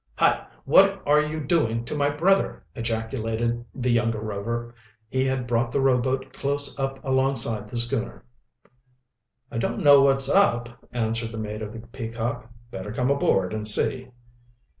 "Hi! what are you doing to my brother?" ejaculated the younger Rover. He had brought the rowboat close up alongside the schooner. "I don't know what's up," answered the mate of the Peacock. "Better come aboard and see."